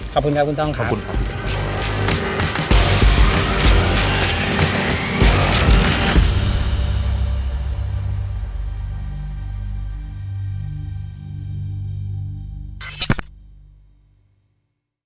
ขอบคุณครับคุณต้องขอบคุณครับ